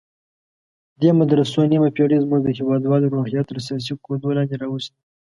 دې مدرسو نیمه پېړۍ زموږ د هېوادوالو روحیات تر سیاسي کوډو لاندې راوستي.